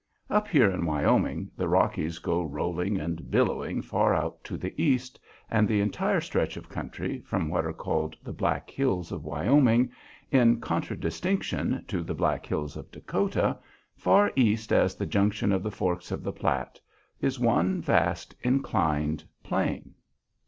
Up here in Wyoming the Rockies go rolling and billowing far out to the east, and the entire stretch of country, from what are called the "Black Hills of Wyoming," in contradistinction to the Black Hills of Dakota, far east as the junction of the forks of the Platte, is one vast inclined plane.